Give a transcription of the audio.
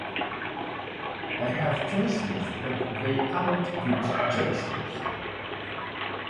I have choices, but they aren't good choices!